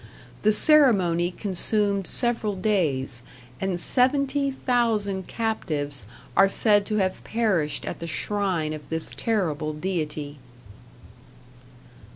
The ceremony consumed several days, and seventy thousand captives are said to have perished at the shrine of this terrible deity.